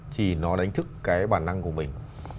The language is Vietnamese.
thì nó đánh thức cái bản năng của mình